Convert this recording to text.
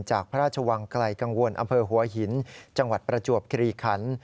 จากพระราชวังไกลกังวลอำเภอหัวหินจังหวัดประจวบคิริขัน